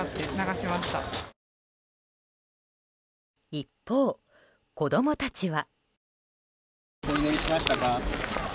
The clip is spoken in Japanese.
一方、子供たちは。